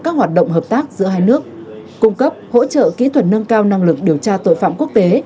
các hoạt động hợp tác giữa hai nước cung cấp hỗ trợ kỹ thuật nâng cao năng lực điều tra tội phạm quốc tế